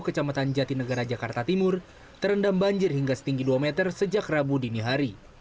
kecamatan jatinegara jakarta timur terendam banjir hingga setinggi dua meter sejak rabu dini hari